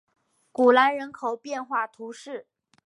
古兰人口变化图示